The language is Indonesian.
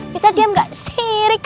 bisa diam gak sirik